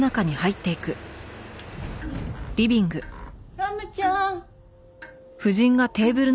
ラムちゃん。